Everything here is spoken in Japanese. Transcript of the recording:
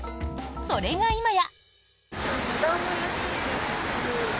それが今や。